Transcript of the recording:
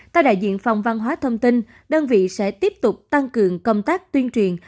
tại đại diện phòng văn hóa thông tin đơn vị sẽ tiếp tục tăng cường công tác tuyên truyền